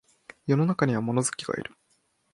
世の中には物好きがいる